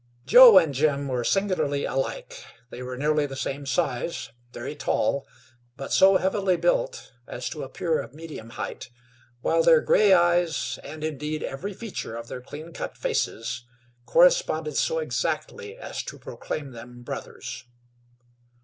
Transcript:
Joe and Jim were singularly alike. They were nearly the same size, very tall, but so heavily built as to appear of medium height, while their grey eyes and, indeed, every feature of their clean cut faces corresponded so exactly as to proclaim them brothers.